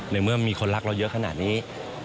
เมื่อมีคนรักเราเยอะขนาดนี้